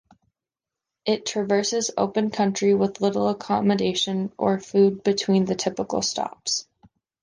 It traverses open country with little accommodation or food between the typical stops.